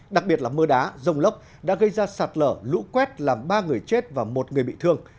đặc biệt là mưa đá rông lốc đã gây ra sạt lở lũ quét làm ba người chết và một người bị thương